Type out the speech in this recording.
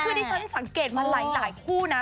คือที่ฉันสังเกตมาหลายคู่นะ